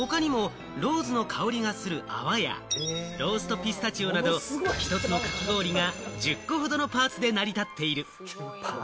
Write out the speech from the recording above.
他にもローズの香りがする泡やローストピスタチオなど、１つのかき氷が１０個ほどのパーツで成り立っている。